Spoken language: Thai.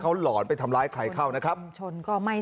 เขาหลอนไปทำร้ายใครเข้านะครับคนของสัมชนก็ไม่